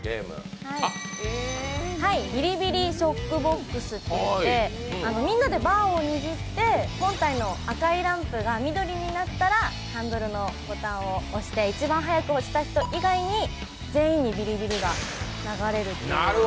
ビリビリショックボックスといって、みんなでバーを握って本体の赤いランプが緑になったらハンドルのボタンを押して、一番速く押した人以外に全員にビリビリが流れるっていう。